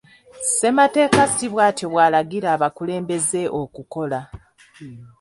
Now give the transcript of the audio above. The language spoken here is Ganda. Ssemateeka ssi bwatyo bwalagira abakulembeze okukola.